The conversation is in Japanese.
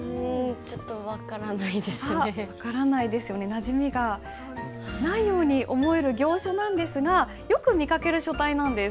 なじみがないように思える行書なんですがよく見かける書体なんです。